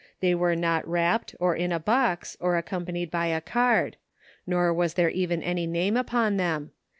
They were not wrapped, or in a box, or accompanied by a card ; nor was there even any name upon them.